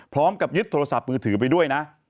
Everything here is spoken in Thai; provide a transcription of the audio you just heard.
พร้อมกับยึดโทรศัพท์มือถือไปด้วยนะ